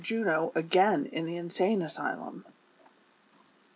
JTJNO AGAIX IN THE INSANE ASYLUM.